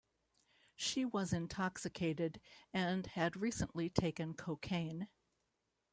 She was intoxicated and had recently taken cocaine.